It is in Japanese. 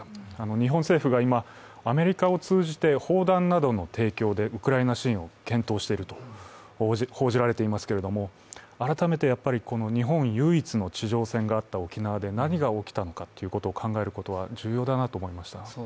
日本政府が今、アメリカを通じて砲弾などの提供でウクライナ支援を検討していると報じられていますけれども、改めて、日本唯一の地上戦があった沖縄で、何が起きたのかということを考えることは重要だと思いました。